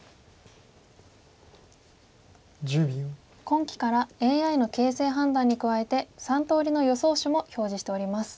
今期からＡＩの形勢判断に加えて３通りの予想手も表示しております。